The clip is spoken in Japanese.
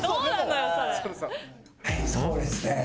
そうですね。